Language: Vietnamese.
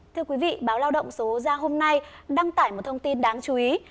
thưa quý vị báo lao động số ra hôm nay đăng tải một thông tin đáng chú ý